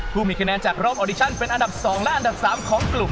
ผู้มีคะแนนจากรอบออดิชั่นเป็นอันดับ๒และอันดับ๓ของกลุ่ม